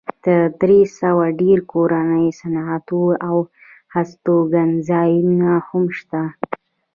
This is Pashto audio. تر درې سوه ډېر کورني صنعتونه او هستوګنځایونه هم شته.